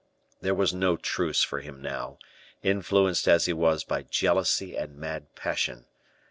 There was no truce for him now, influenced as he was by jealousy and mad passion.